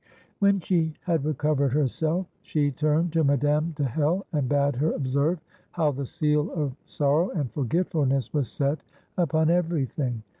When she had recovered herself, she turned to Madame de Hell, and bade her observe how the seal of sorrow and forgetfulness was set upon everything.